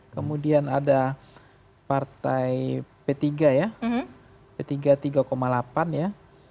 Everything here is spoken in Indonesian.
kemudian ada partai p tiga ya p tiga tiga delapan ya